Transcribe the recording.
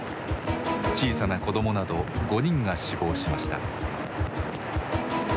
小さな子どもなど５人が死亡しました。